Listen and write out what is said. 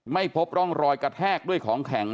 ไม่พบร่องรอยกระแทกด้วยของแข็ง